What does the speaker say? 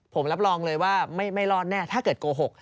ผมรับรองเลยว่าไม่รอดแน่ถ้าเกิดโกหก